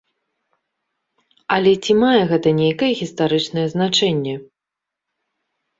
Але ці мае гэта нейкае гістарычнае значэнне?